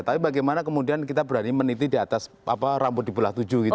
tapi bagaimana kemudian kita berani meniti di atas rambut di bawah tujuh gitu